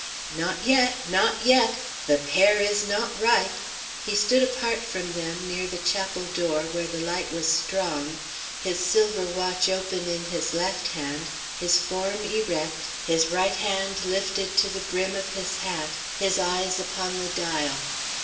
"Not yet! not yet! The pear is not ripe!" He stood apart from them, near the chapel door, where the light was strong, his silver watch open in his left hand, his form erect, his right hand lifted to the brim of his hat, his eyes upon the dial.